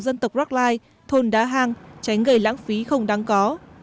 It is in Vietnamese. dân tộc rockline thôn đá hàng trái người lãng phí không đáng có